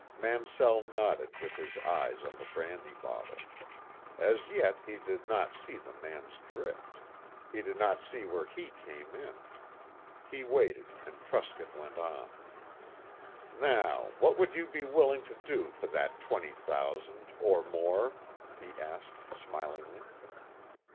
Mansell nodded with his eyes on the brandy bottle. As yet he did not see the man's drift. He did not see where he came in. He waited, and Truscott went on. "Now what would you be willing to do for that twenty thousand or more?" he asked smilingly.